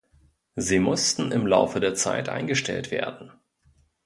Sie mussten im Laufe der Zeit eingestellt werden.